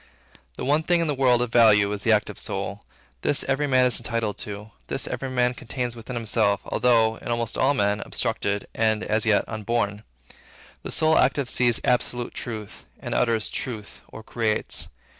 The one thing in the world, of value, is the active soul. This every man is entitled to; this every man contains within him, although, in almost all men, obstructed, and as yet unborn. The soul active sees absolute truth; and utters truth, or creates.